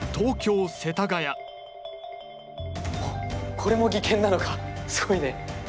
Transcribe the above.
これも技研なのか⁉すごいね。